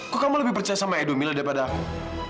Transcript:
kok kamu lebih percaya sama edo mille daripada aku